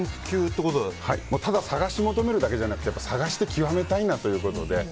ただ探し求めるじゃなくて探して究めたいなということで。